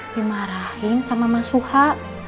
dimarahin sama masuha